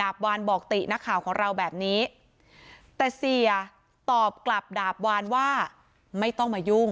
ดาบวานบอกตินักข่าวของเราแบบนี้แต่เสียตอบกลับดาบวานว่าไม่ต้องมายุ่ง